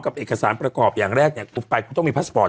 กับเอกสารประกอบอย่างแรกเนี้ยกูไปกูต้องมีพาสพอร์ต